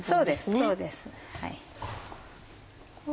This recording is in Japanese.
そうです。